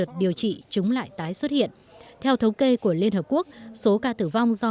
được điều trị chúng lại tái xuất hiện theo thống kê của liên hợp quốc số ca tử vong do